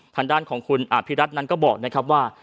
ทางด้านของคุณอภิรัตนั้นก็บอกนะครับว่า